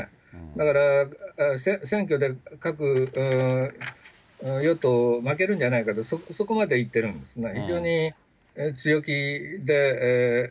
だから選挙で与党負けるんじゃないかと、そこまで言ってるんですね。